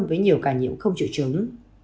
với nhiều ca nhiễm không trự trứng